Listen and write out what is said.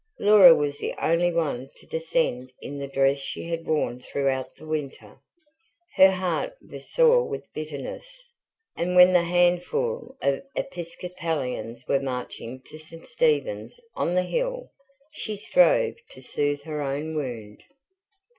Laura was the only one to descend in the dress she had worn throughout the winter. Her heart was sore with bitterness, and when the handful of Episcopalians were marching to St Stephen's on the Hill, she strove to soothe her own wound.